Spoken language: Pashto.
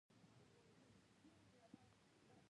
دوی د افغانستان ډبرې هم اخلي.